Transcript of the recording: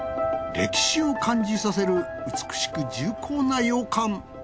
歴史を感じさせる美しく重厚な洋館。